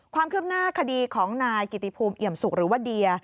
ความคืบหน้าคดีของนายกิติภูมิเอี่ยมสุกหรือว่าเดีย